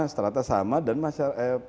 setelah itu sama dan masyarakat